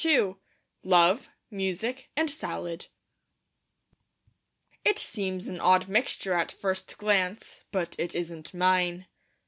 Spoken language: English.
II LOVE, MUSIC, AND SALAD It seems an odd mixture at first glance; but it isn't mine.